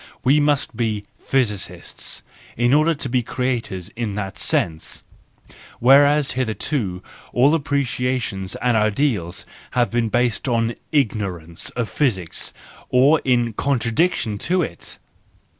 We must be physicists in order to be creators in that sense,—whereas hitherto all appreciations and ideals have been based on ignorance of physics, or in contradiction to it.